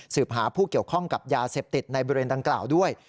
หาผู้เกี่ยวข้องกับยาเสพติดในบริเวณดังกล่าวด้วย